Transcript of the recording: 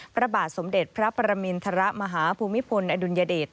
พระบาทสมเด็จพระปรมินทรมาฮภูมิพลอดุลยเดช